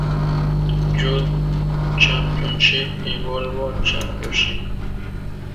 Jude Championship" y "Volvo Championship".